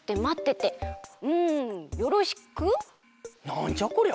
なんじゃこりゃ！？